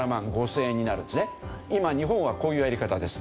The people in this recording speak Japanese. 今日本はこういうやり方です。